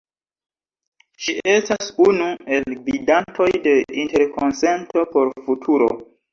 Ŝi estas unu el gvidantoj de Interkonsento por Futuro.